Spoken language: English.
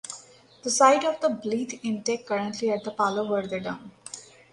The site of the Blythe Intake currently at the Palo Verde Dam.